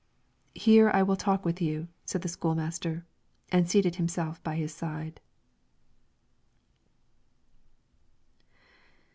"Here I will talk with you," said the school master, and seated himself by his side.